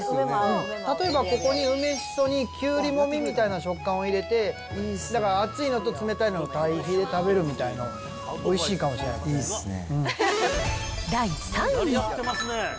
例えば、ここに梅シソにキュウリもみみたいな食感を入れて、だから熱いのと冷たいのとを対比で食べるみたいの、おいしいかもいいっすね。